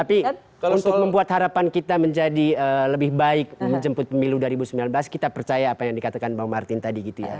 tapi untuk membuat harapan kita menjadi lebih baik menjemput pemilu dua ribu sembilan belas kita percaya apa yang dikatakan bang martin tadi gitu ya